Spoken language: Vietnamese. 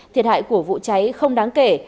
thiệt hại của vụ cháy không đáng kể